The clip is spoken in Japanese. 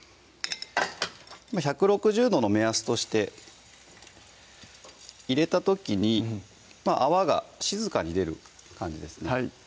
１６０℃の目安として入れた時に泡が静かに出る感じですね